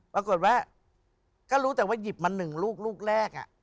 ปรากฏว่าก็รู้แต่ว่าหยิบมา๑ลูกลูกแรก